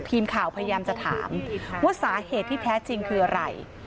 พยายามจะถามว่าสาเหตุที่แท้จริงคืออะไร